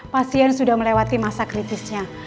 p focalini sudah melewati masa kritisnya